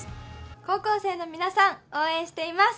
高校生の皆さん、応援しています。